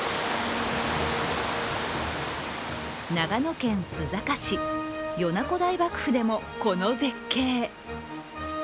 長野県須坂市、米子大瀑布でもこの絶景。